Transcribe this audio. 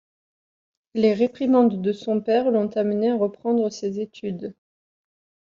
Les réprimandes de son père l'ont amené à reprendre ses études.